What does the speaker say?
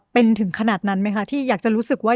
เป็นถึงขนาดนั้นไหมคะที่อยากจะรู้สึกว่า